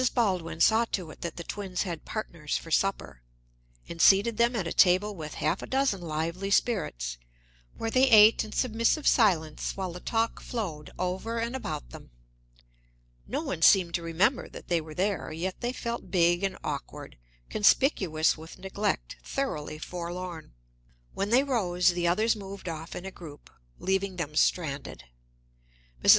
Baldwin saw to it that the twins had partners for supper, and seated them at a table with half a dozen lively spirits, where they ate in submissive silence while the talk flowed over and about them. No one seemed to remember that they were there, yet they felt big and awkward, conspicuous with neglect, thoroughly forlorn. When they rose, the others moved off in a group, leaving them stranded. Mrs.